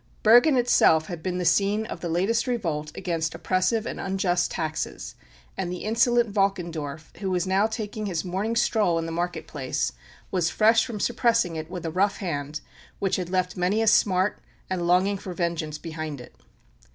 Bergen itself had been the scene of the latest revolt against oppressive and unjust taxes, and the insolent Valkendorf, who was now taking his morning stroll in the market place, was fresh from suppressing it with a rough hand which had left many a smart and longing for vengeance behind it.